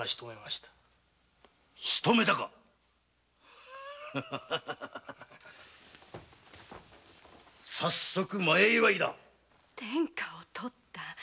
しとめたか早速前祝いだ天下を取った！